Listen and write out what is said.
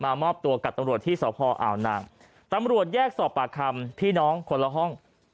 มอบตัวกับตำรวจที่สพอ่าวนางตำรวจแยกสอบปากคำพี่น้องคนละห้อง